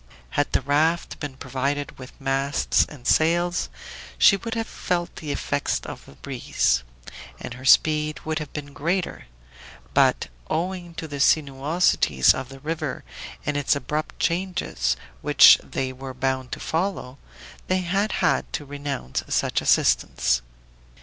Had the raft been provided with masts and sails she would have felt the effects of the breeze, and her speed would have been greater; but owing to the sinuosities of the river and its abrupt changes, which they were bound to follow, they had had to renounce such assistance.